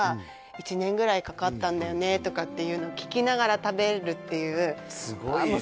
「１年ぐらいかかったんだよね」とかっていうのを聞きながら食べるっていうすごいですね